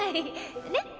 ねっ？